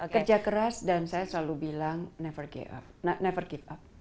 kerja keras dan saya selalu bilang never keep up